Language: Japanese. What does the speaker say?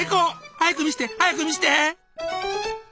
早く見して！早く見して！